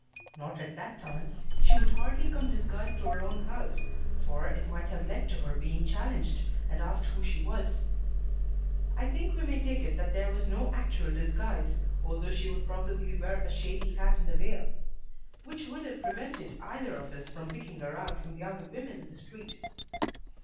"Not at that time. She would hardly come disguised to her own house, for it might have led to her being challenged and asked who she was. I think we may take it that there was no actual disguise, although she would probably wear a shady hat and a veil; which would have prevented either of us from picking her out from the other women in the street."